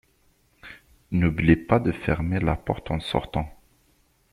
N’oublie pas de fermer la porte en sortant.